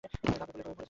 ঘাবড়ে পড়লে ভুলে যাবি।